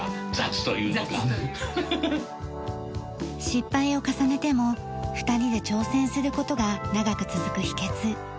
失敗を重ねても２人で挑戦する事が長く続く秘訣。